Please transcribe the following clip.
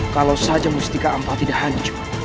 kalau saja mustika ampat tidak hancur